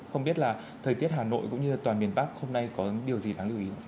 không biết là thời tiết hà nội cũng như toàn miền bắc hôm nay có điều gì đáng lưu ý